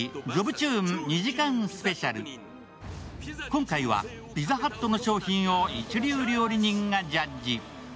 今回はピザハットの商品を一流料理人がジャッジ。